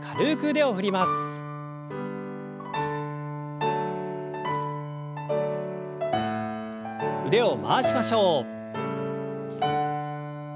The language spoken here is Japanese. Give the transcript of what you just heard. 腕を回しましょう。